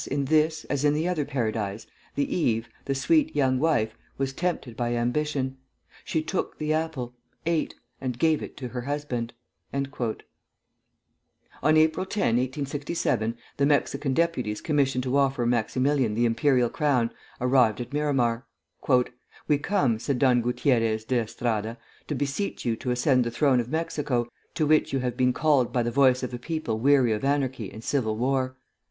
in this, as in the other Paradise, the Eve, the sweet young wife, was tempted by ambition. She took the apple, ate, and gave it to her husband." On April 10, 1864, the Mexican deputies commissioned to offer Maximilian the imperial crown, arrived at Miramar. "We come," said Don Gutierrez de Estrada, "to beseech you to ascend the throne of Mexico, to which you have been called by the voice of a people weary of anarchy and civil war.